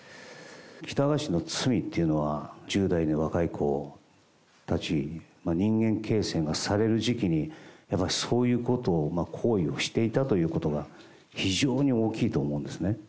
喜多川氏の罪っていうのは、１０代の若い子たちの人間形成がされる時期に、やっぱりそういうことを、行為をしていたということが、非常に大きいと思うんですね。